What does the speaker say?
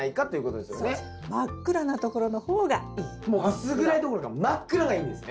薄暗いどころか真っ暗がいいんですね。